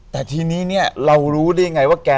แต่ทีนี้เนี่ยเรารู้ได้ยังไงว่าแก